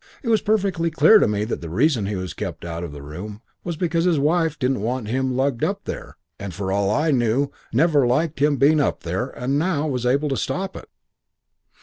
It was perfectly clear to me that the reason he was kept out of the room was because his wife didn't want him being lugged up there; and for all I knew never had liked him being there and now was able to stop it.